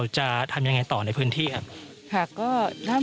จะทำยังไงต่อในพื้นที่ครับ